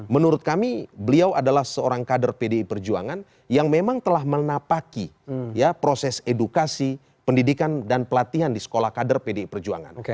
menurut kami beliau adalah seorang kader pdi perjuangan yang memang telah menapaki proses edukasi pendidikan dan pelatihan di sekolah kader pdi perjuangan